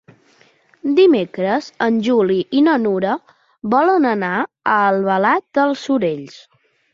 Dimecres en Juli i na Nura volen anar a Albalat dels Sorells.